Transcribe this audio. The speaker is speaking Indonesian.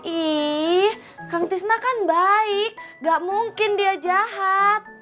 ih kang tisna kan baik gak mungkin dia jahat